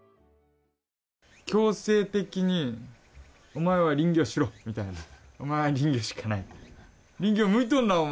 強制的に「お前は林業しろ」みたいな。